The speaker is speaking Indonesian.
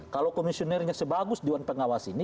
kalau komisionernya sebagus dewan pengawas ini